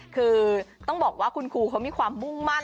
คือต้องบอกว่าคุณครูเขามีความมุ่งมั่น